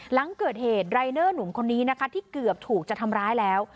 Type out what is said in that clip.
หลังเกิดเหตุรายเดอร์หนุ่มคนนี้นะคะที่เกือบถูกจะทำร้ายแล้ว